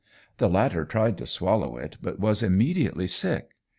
The latter tried to swallow it, but was immediately sick.